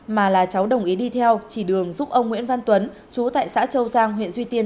mà là cháu đồng ý đi theo chỉ đường giúp ông nguyễn văn tuấn chú tại xã châu giang huyện duy tiên